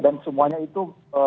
dan semuanya itu